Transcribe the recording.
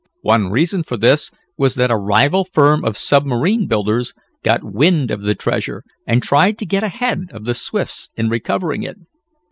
One reason for this was that a rival firm of submarine builders got wind of the treasure, and tried to get ahead of the Swifts in recovering it.